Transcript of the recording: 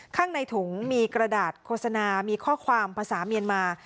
ข้างในถุงมีกระดาษโฆษณามีข้อความภาษาเมียนมา